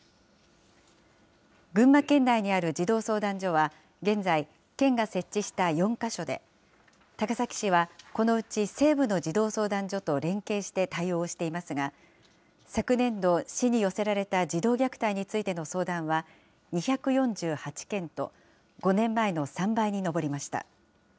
群馬県内にある児童相談所は現在、県が設置した４か所で、高崎市はこのうち西部の児童相談所と連携して対応していますが、昨年度、市に寄せられた児童虐待についての相談は２４８件と、５年前の３倍に上りました。